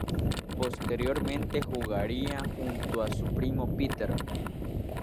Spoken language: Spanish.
Posteriormente jugaría junto a su primo Peter.